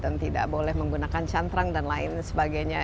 dan tidak boleh menggunakan cantrang dan lain sebagainya